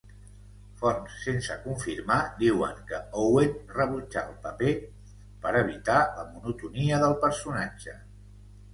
Fonts sense confirmar diuen que Owen rebutjà el paper per evitar la monotonia del personatge.